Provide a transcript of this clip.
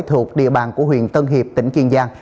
thuộc địa bàn của huyện tân hiệp tỉnh kiên giang